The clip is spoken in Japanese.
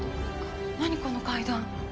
何この階段。